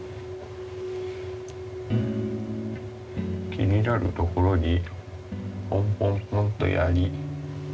気になるところにポンポンポンとやり。